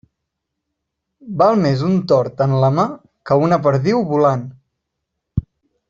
Val més un tord en la mà que una perdiu volant.